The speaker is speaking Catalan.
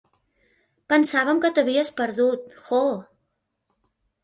Pensàvem que t'havies perdut, Jo!